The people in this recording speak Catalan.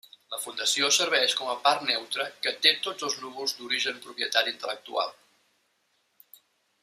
La Fundació serveix com a part neutra que té tots els núvols d'origen propietat intel·lectual.